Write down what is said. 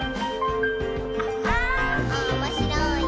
「おもしろいなぁ」